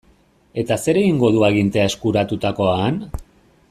Eta zer egingo du agintea eskuratutakoan?